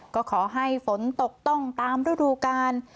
ก็ขอให้ฝนตกต้องตามฤดูกาล